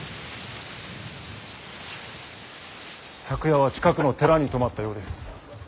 昨夜は近くの寺に泊まったようです。